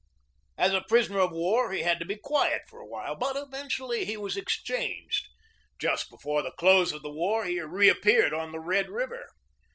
As a prisoner of war he had to be quiet for a while; but eventually he was exchanged. Just be fore the close of the war he reappeared on the Red River.